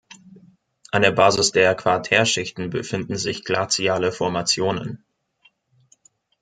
An der Basis der Quartär-Schichten befinden sich glaziale Formationen.